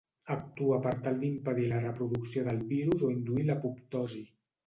Actua per tal d’impedir la reproducció del virus o induir l’apoptosi.